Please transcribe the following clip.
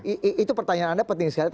itu pertanyaan anda penting sekali